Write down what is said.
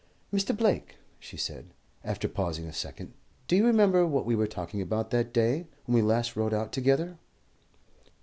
"Mr. Blake," she said, after pausing a second, "do you remember what we were talking about that day when we last rode out together?"